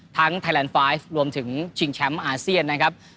ไทยแลนด์ไฟล์รวมถึงชิงแชมป์อาเซียนนะครับ